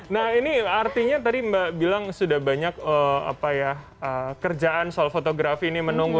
nah ini artinya tadi mbak bilang sudah banyak kerjaan soal fotografi ini menunggu